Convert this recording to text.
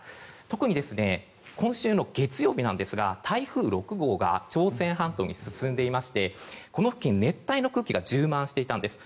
特に今週の月曜日なんですが台風６号が朝鮮半島に進んでいましてこの付近、熱帯の空気が充満していたんです。